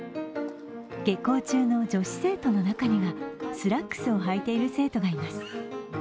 下校中の女子生徒の中にはスラックスをはいている生徒がいます。